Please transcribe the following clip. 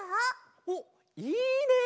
おっいいね！